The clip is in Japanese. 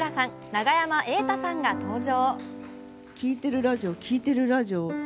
永山瑛太さんが登場。